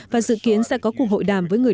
và dự kiến sẽ có cuộc hội đàm với người